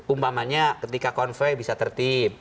umpamanya ketika konvoy bisa tertib